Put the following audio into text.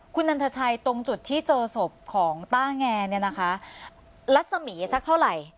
คุณนันทชัยตรงจุดที่เจอศพของต้าแงเนี่ยนะคะรัศมีสักเท่าไหร่